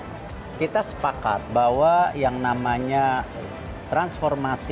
ya kita sepakat bahwa yang namanya transformasi